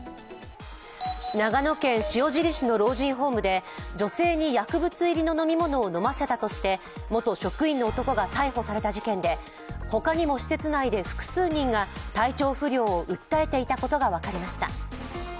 長野県塩尻市の老人ホームで女性に薬物入りの飲み物を飲ませたとして元職員の男が逮捕された事件で、他にも施設内で複数人が体調不良を訴えていたことが分かりました。